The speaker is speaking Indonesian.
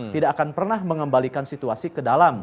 tidak akan pernah mengembalikan situasi ke dalam